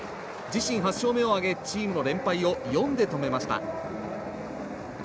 自身８勝目を挙げチームの連敗を４で止めました。